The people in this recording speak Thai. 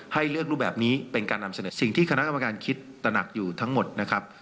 ให้เลือกรูปแบบนี้เป็นการนำเสนอสิ่งที่คณะกรรมการคิดตระหนักอยู่ทั้งหมดนะครับ